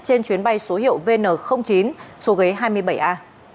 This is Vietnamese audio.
trên chuyến bay số hiệu vn chín số ghế hai mươi bảy a